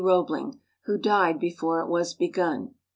Roebling, who died before it was begun.